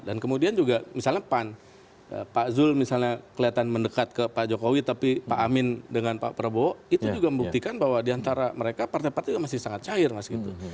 dan kemudian juga misalnya pan pak zul misalnya kelihatan mendekat ke pak jokowi tapi pak amin dengan pak prabowo itu juga membuktikan bahwa diantara mereka partai partai itu masih sangat cair masih gitu